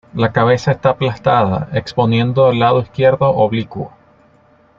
La cabeza está aplastada, exponiendo el lado izquierdo oblicuo.